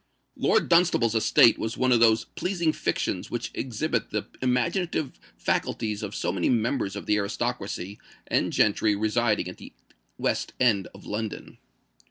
Lord Dunstable's estate was one of those pleasing fictions which exhibit the imaginative faculties of so many members of the aristocracy and gentry residing at the West End of London.